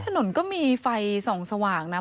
ถนนก็มีไฟส่องสว่างนะ